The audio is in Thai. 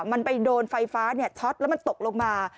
มันไปโดนไฟฟ้าช็อตแล้วมันตกลงมา